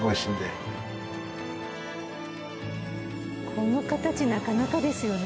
この形なかなかですよね。